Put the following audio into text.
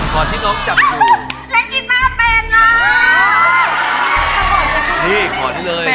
ขอดที่น้องจับอยู่